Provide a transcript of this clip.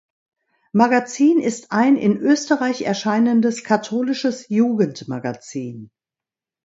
Magazin ist ein in Österreich erscheinendes katholisches Jugendmagazin.